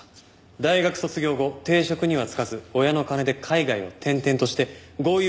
大学卒業後定職には就かず親の金で海外を転々として豪遊を繰り返してたようです。